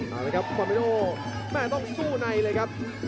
เอาเลยครับมันไปโอ้แม่ต้องสู้ในเลยครับ